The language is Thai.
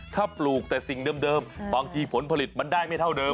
ถ้าปลูกแต่สิ่งเดิมบางทีผลผลิตมันได้ไม่เท่าเดิม